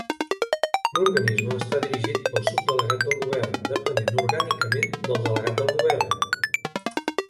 L'organisme està dirigit pel subdelegat del Govern, depenent orgànicament del delegat del Govern.